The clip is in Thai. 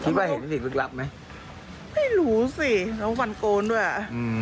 คิดว่าเห็นสิ่งลึกลับไหมไม่รู้สิน้องวันโกนด้วยอ่ะอืม